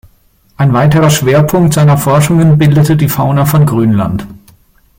Ein weiterer Schwerpunkt seiner Forschungen bildete die Fauna von Grönland.